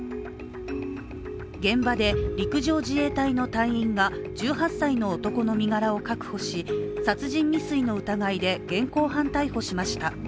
現場で、陸上自衛隊の隊員が１８歳の男の身柄を確保し殺人未遂の疑いで現行犯逮捕しました。